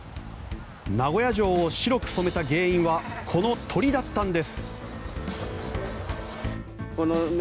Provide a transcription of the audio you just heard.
名古屋城を白く染めた原因はこの鳥だったんです。